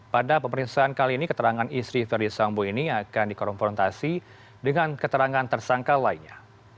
pada pemeriksaan kali ini keterangan istri verdi sambo ini akan dikonfrontasi dengan keterangan tersangka lainnya